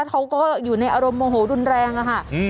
เขาก็อยู่ในอารมณ์โมโหรุนแรงอะค่ะ